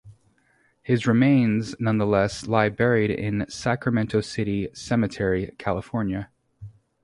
His remains nonetheless lie buried in Sacramento City Cemetery, California.